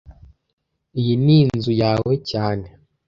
Iyi ni inzu yawe cyane